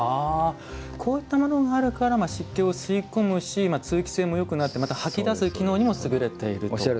こういったものがあるから湿気を吸い込むし通気性もよくなって吐き出す機能にも優れていると。